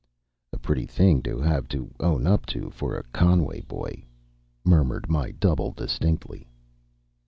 "A pretty thing to have to own up to for a Conway boy," murmured my double, distinctly.